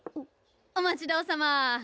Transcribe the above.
お待ち遠さま！